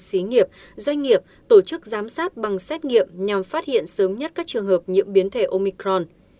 xí nghiệp doanh nghiệp tổ chức giám sát bằng xét nghiệm nhằm phát hiện sớm nhất các trường hợp nhiễm biến thể omicron